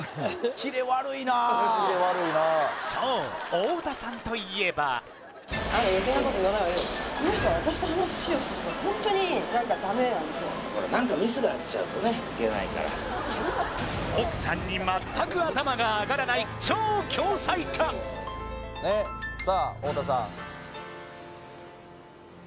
キレ悪いなそう太田さんといえばほら何か奥さんに全く頭が上がらないさあ太田さん